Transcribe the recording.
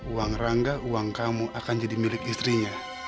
uang rangga uang kamu akan jadi milik istrinya